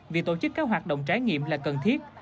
việc tổ chức các hoạt động trải nghiệm là cần thiết